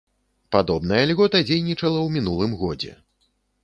Падобная льгота дзейнічала ў мінулым годзе.